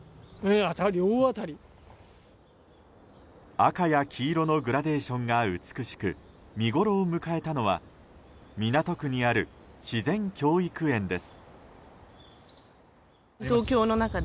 赤や黄色のグラデーションが美しく見ごろを迎えたのは港区にある自然教育園です。